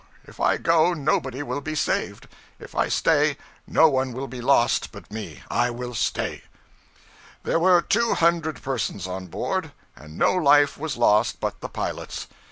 If I go, nobody will be saved; if I stay, no one will be lost but me. I will stay.' There were two hundred persons on board, and no life was lost but the pilot's.